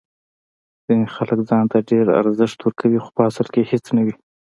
ځینې خلک ځان ته ډیر ارزښت ورکوي خو په اصل کې هیڅ نه وي.